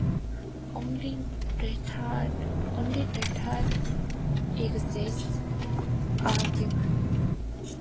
Only lettered exits are given.